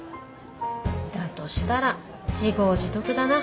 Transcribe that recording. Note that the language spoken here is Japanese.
だとしたら自業自得だな。